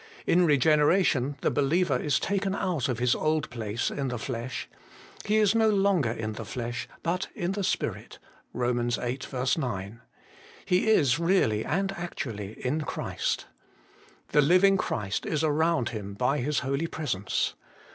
In regeneration the IN CHRIST OUR SANCTIF1CATION. 195 believer is taken out of his old place 'in the flesh;' he is no longer in the flesh, but in the spirit (Eom. viii. 9); he is really and actually in Christ. The living Christ is around him by His holy Presence.